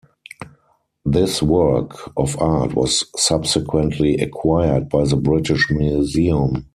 This work of art was subsequently acquired by the British Museum.